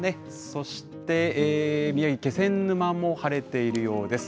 そして、宮城・気仙沼も晴れているようです。